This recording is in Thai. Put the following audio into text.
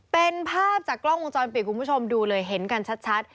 เป็นภาพจากกล้องวงจรปิดคุณผู้ชมดูเลยเห็นกันชัด